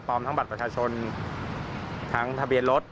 ทั้งบัตรประชาชนทั้งทะเบียนรถ